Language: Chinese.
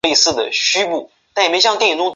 合酶是催化合成反应的酶类。